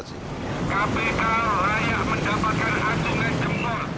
kpk layak mendapatkan atungan jemur